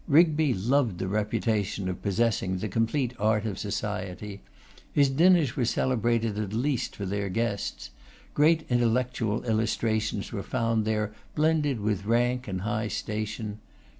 Rigby loved the reputation of possessing the complete art of society. His dinners were celebrated at least for their guests. Great intellectual illustrations were found there blended with rank and high station.